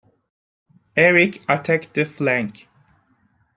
Eric attacked the flank.